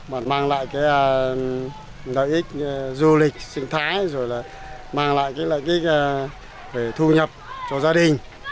là lợi ích du lịch sinh thái rồi là mang lại cái lợi ích về thu nhập cho gia đình